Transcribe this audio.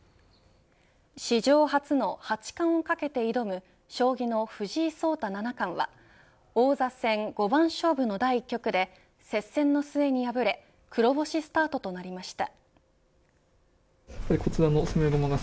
史上初の八冠をかけて挑む将棋の藤井聡太七冠は王座戦五番勝負の第１局で接戦の末に敗れ黒星スタートとなりました。